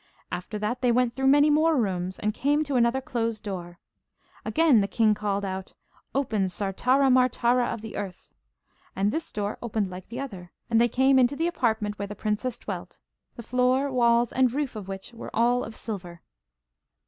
After that they went through many more rooms, and came to another closed door. Again the king called out: 'Open, Sartara Martara of the earth!' and this door opened like the other, and they came into the apartment where the princess dwelt, the floor, walls, and roof of which were all of silver.